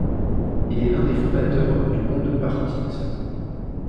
Il est l'un des fondateurs du Bondepartiet.